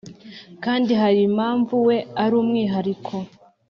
kandi harimpamvu we arumwihariko "